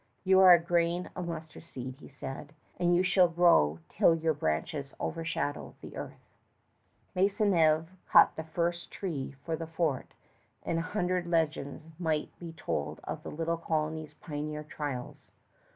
"You are a grain of mustard seed," he said, "and you shall grow till your branches overshadow the earth." Maisonneuve cut the first tree for the fort; and a hundred legends might be told of the little colony's pioneer trials.